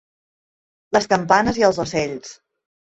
Les campanes i els ocells.